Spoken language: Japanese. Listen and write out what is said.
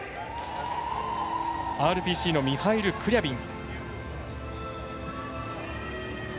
ＲＰＣのミハイル・クリャビン。